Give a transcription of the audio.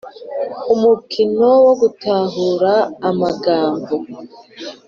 Umukino wo gutahura amagambo